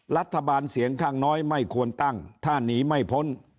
รัฐบาลเสียงข้างน้อยไม่ควรตั้งถ้าหนีไม่พ้น